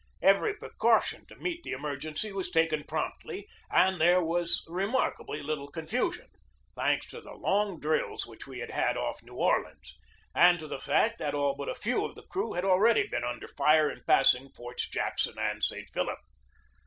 Every precaution to meet the emer gency was taken promptly; and there was remark ably little confusion, thanks to the long drills which we had had off New Orleans, and to the fact that all but a few of the crew had already been under fire in passing Forts Jackson and St. Philip.